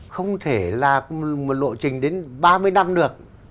không thể là một lộ trình đến ba mươi năm được